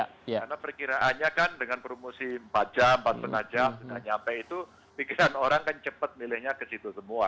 karena perkiraannya kan dengan promosi empat jam empat lima jam nggak nyampe itu pikiran orang kan cepat milihnya ke situ semua